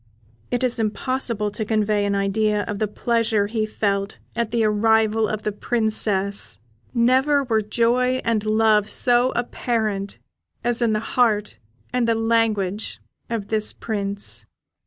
It is impossible to convey an idea of the pleasure he felt at the arrival of the Princess; never were joy and love so apparent as in the heart and language of this Prince.